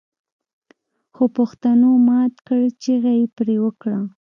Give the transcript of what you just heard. خوپښتنو مات کړ چيغه يې پرې وکړه